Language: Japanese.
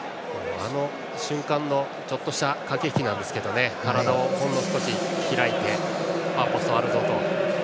あの瞬間のちょっとした駆け引きなんですが体をほんの少し開いてファーポストあるぞと。